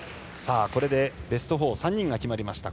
これでベスト４は３人が決まりました。